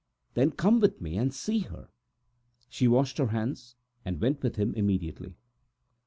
"Then come with me and see her." She washed her hands, and went with him immediately.